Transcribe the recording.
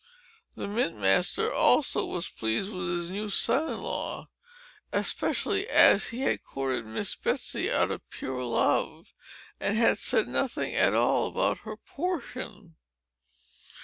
The mint master also was pleased with his new son in law; especially as he had courted Miss Betsey out of pure love, and had said nothing at all about her portion.